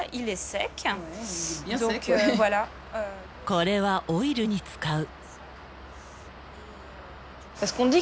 これはオイルに使う。